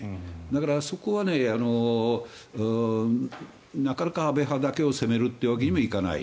だからそこはなかなか安倍派だけを責めるわけにはいかない。